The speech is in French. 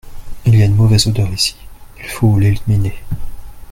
Il y a une mauvaise odeur ici, il faut l'éliminer.